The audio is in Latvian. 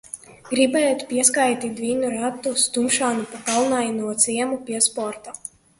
Gribētu pieskaitīt dvīņu ratu stumšanu pa kalnaino ciemu pie sporta...